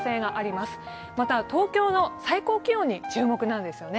また東京の最高気温に注目なんですよね。